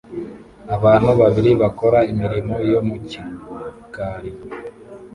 Abantu babiri bakora imirimo yo mu gikari